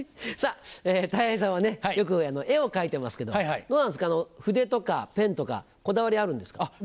さぁたい平さんはねよく絵を描いてますけどどうなんですか筆とかペンとかこだわりあるんですか？